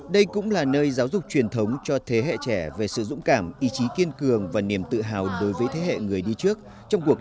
đây cũng là nơi giáo dục truyền thống cho thế hệ trẻ về sự dũng cảm ý chí kiên cường và niềm tự hào đối với thế hệ người đi trước